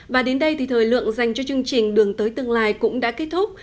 và đến đây thì thời lượng dành cho chương trình đường tới tương lai cũng đã kết thúc